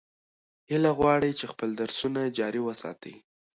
هیله غواړي چې خپل درسونه جاري وساتي.